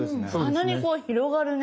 鼻にこう広がるね。